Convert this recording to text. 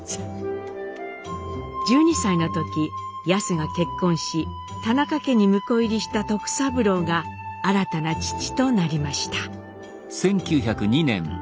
１２歳の時ヤスが結婚し田中家に婿入りした徳三郎が新たな父となりました。